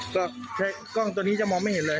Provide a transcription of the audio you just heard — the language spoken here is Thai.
ก็ใช้กล้องตัวนี้จะมองไม่เห็นเลย